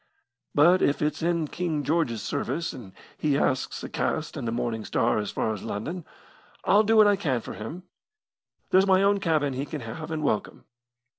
But if it's in King George's service, and he asks a cast in the Morning Star as far as London, I'll do what I can for him. There's my own cabin he can have and welcome.